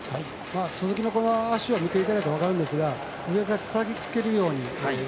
鈴木のこの足を見ていただいたら分かるんですが上からたたきつけるように。